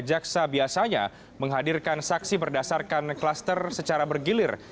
jaksa biasanya menghadirkan saksi berdasarkan kluster secara bergilir